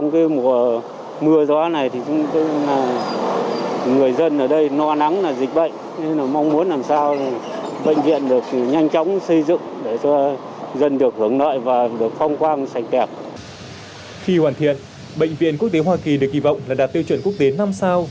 khi hoàn thiện bệnh viện quốc tế hoa kỳ được kỳ vọng là đạt tiêu chuẩn quốc tế năm sao